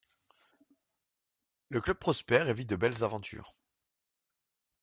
Le club prospère et vit de belles aventures.